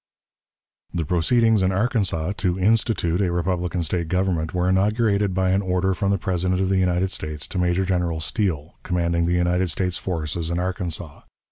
The proceedings in Arkansas to "institute" a republican State government were inaugurated by an order from the President of the United States to Major General Steele, commanding the United States forces in Arkansas.